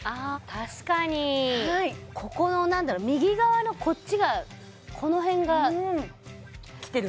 確かにはいここの何だろう右側のこっちがこの辺がきてる？